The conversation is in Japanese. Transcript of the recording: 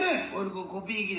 こうコピー機で。